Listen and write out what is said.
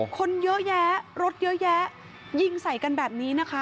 คนเยอะแยะรถเยอะแยะยิงใส่กันแบบนี้นะคะ